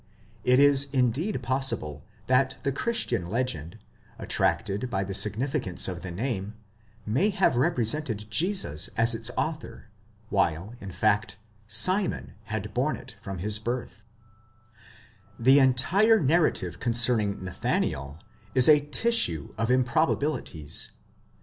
It is indeed possible that the Christian legend, attracted by the significance of the name, may have represented Jesus as its author, while, in fact, Simon had borne it from his birth, The entire narrative concerning Nathanael is a tissue of improbabilities.